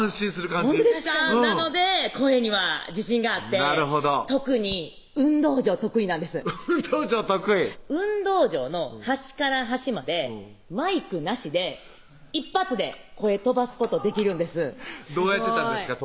ほんとですかなので声には自信があって特に運動場得意なんです運動場得意運動場の端から端までマイクなしで一発で声飛ばすことできるんですどうやってたんですか？